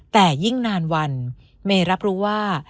แต่ยิ่งนานวันเมย์รับรู้ว่า